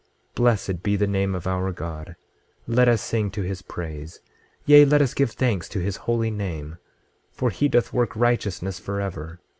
26:8 Blessed be the name of our God; let us sing to his praise, yea, let us give thanks to his holy name, for he doth work righteousness forever.